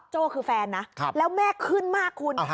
โจ้คือแฟนนะแล้วแม่ขึ้นมากคุณ